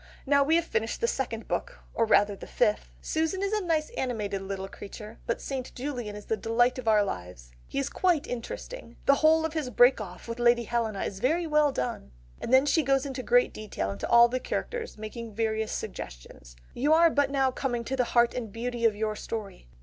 Now we have finished the second book or rather the fifth: Susan is a nice animated little creature, but St. Julian is the delight of our lives. He is quite interesting. The whole of his break off with Lady Helena is very well done." She then goes in great detail into all the characters, making various suggestions: "You are but now coming to the heart and beauty of your story.